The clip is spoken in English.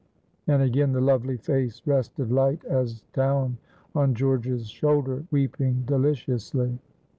and again the lovely face rested light as down on George's shoulder, weeping deliciously.